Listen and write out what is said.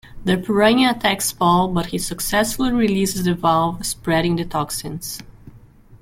The piranha attacks Paul but he successfully releases the valve, spreading the toxins.